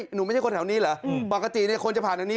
หนูไม่ใช่คนแถวนี้เหรอปกติคนจะผ่านอันนี้